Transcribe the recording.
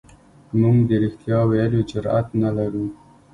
موږ د رښتیا ویلو جرئت نه لرو.